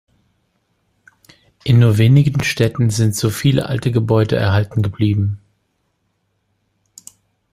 In nur wenigen Städten sind so viele alte Gebäude erhalten geblieben.